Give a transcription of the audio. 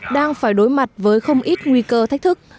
đang phải đối mặt với không ít nguy cơ thách thức